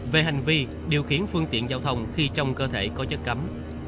về hành vi điều khiển phương tiện giao thông khi trong cơ thể có chất cấm